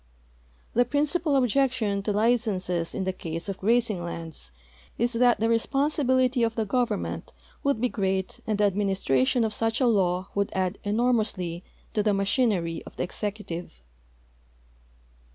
The principal objection to licenses in the case of grazing lands is that the responsibility of the government would l)e great and the administration of such a law would add enormously to the ma chinery of the executive.